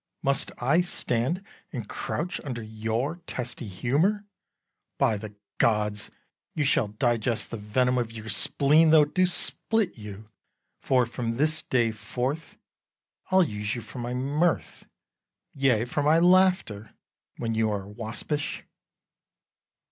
must I stand and crouch Under your testy humour? By the gods, You shall digest the venom of your spleen, Though it do split you; for, from this day forth, I'll use you for my mirth, yea, for my laughter, When you are waspish.